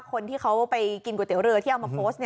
คนที่เขาไปกินก๋วยเตี๋ยเรือที่เอามาโพสต์